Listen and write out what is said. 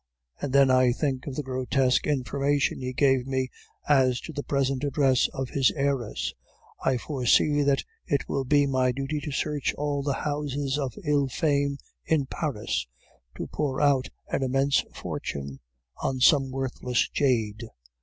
... And then I think of the grotesque information he gave me as to the present address of his heiress, I foresee that it will be my duty to search all the houses of ill fame in Paris to pour out an immense fortune on some worthless jade.